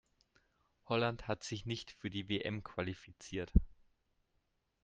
Holland hat sich nicht für die WM qualifiziert.